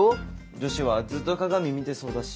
女子はずっと鏡見てそうだし。